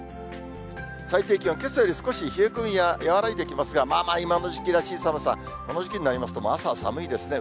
最低気温、けさより少し冷え込み、和らいできますが、まあまあ、今の時期らしい寒さ、この時期になりますと、朝は寒いですね。